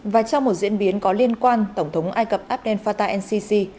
và trong một diễn biến có liên quan tổng thống ai cập abdel fattah el sisi